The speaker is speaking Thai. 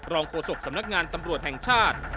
โฆษกสำนักงานตำรวจแห่งชาติ